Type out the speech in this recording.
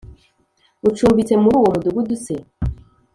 ucumbitse muri uwo Mudugudu se